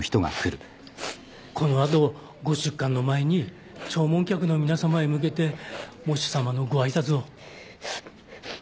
この後ご出棺の前に弔問客の皆さまへ向けて喪主さまのご挨拶を。